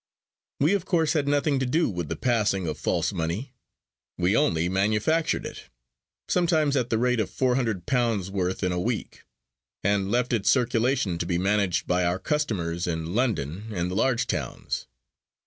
We, of course, had nothing to do with the passing of false money we only manufactured it (sometimes at the rate of four hundred pounds' worth in a week); and left its circulation to be managed by our customers in London and the large towns.